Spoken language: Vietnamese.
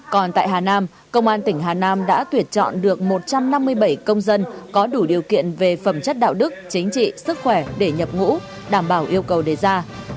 còn tại hà nam công an tỉnh hà nam đã tuyển chọn được một trăm năm mươi bảy công dân có đủ điều kiện về phẩm chất đạo đức chính trị sức khỏe để nhập ngũ đảm bảo yêu cầu đề ra